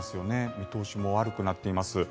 見通しも悪くなっています。